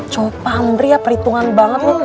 coba ambri ya perhitungan banget lo